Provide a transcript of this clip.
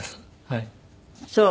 そう。